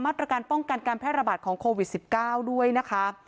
มาตรการป้องกันการแพร่ระบาดของโควิด๑๙ด้วยนะคะ